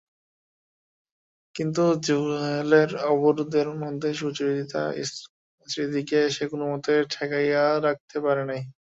কিন্তু জেলের অবরোধের মধ্যে সুচরিতার স্মৃতিকে সে কোনোমতেই ঠেকাইয়া রাখিতে পারে নাই।